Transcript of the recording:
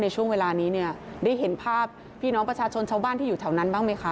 ช่วงเวลานี้เนี่ยได้เห็นภาพพี่น้องประชาชนชาวบ้านที่อยู่แถวนั้นบ้างไหมคะ